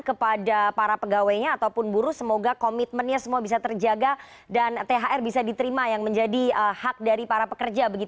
kepada para pegawainya ataupun buruh semoga komitmennya semua bisa terjaga dan thr bisa diterima yang menjadi hak dari para pekerja